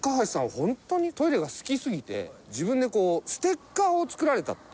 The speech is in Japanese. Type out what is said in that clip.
ホントにトイレが好きすぎて自分でステッカーを作られたっていう。